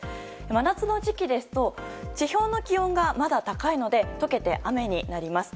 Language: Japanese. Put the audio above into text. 真夏の時期ですと、地表の気温がまだ高いので溶けて雨になります。